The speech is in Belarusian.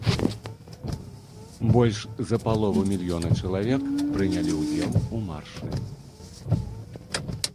Больш за палову мільёна чалавек прынялі ўдзел у маршы.